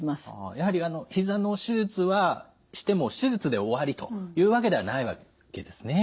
やはりひざの手術はしても手術で終わりというわけではないわけですね。